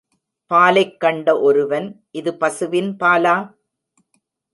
பாலைக் கண்ட ஒருவன் இது பசுவின் பாலா?